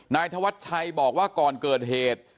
นายธวัชชัยบอกว่าก่อนเกิดเหตุ